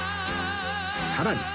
さらに！